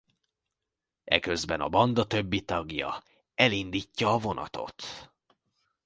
Eközben a banda többi tagja elindítja a vonatot.